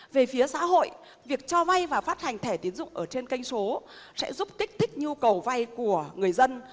về phía xã hội việc cho vay và phát hành thẻ tiến dụng ở trên kênh số sẽ giúp kích thích nhu cầu vay của người dân